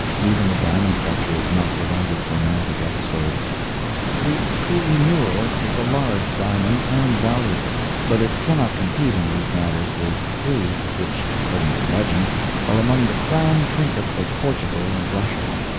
Even the diamond culture is not without its romantic episodes. The Koh i Noor is a large diamond, and valuable; but it cannot compete in these matters with three which according to legend are among the crown trinkets of Portugal and Russia.